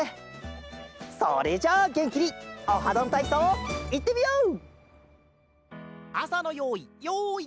それじゃあげんきに「オハどんたいそう」いってみよう！